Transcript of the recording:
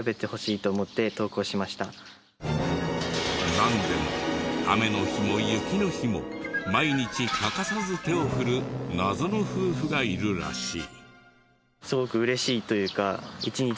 なんでも雨の日も雪の日も毎日欠かさず手を振る謎の夫婦がいるらしい。